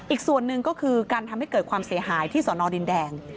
อีกส่วนหนึ่งก็คือการทำให้เกิดความเสียหายที่สอนอดินแดง